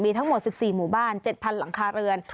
ทั้งหมด๑๔หมู่บ้าน๗๐๐หลังคาเรือน